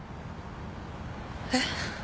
えっ？